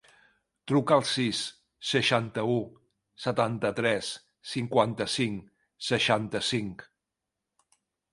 Truca al sis, seixanta-u, setanta-tres, cinquanta-cinc, seixanta-cinc.